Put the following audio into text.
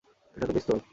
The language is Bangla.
এটা তো পিস্তল!